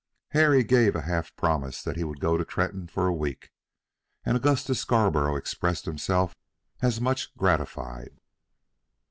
Harry gave a half promise that he would go to Tretton for a week, and Augustus Scarborough expressed himself as much gratified.